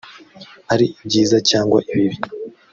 ari ibyiza cyangwa ibibi